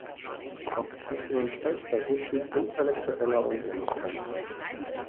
Auch ich bin enttäuscht bei so viel intellektueller Unehrlichkeit.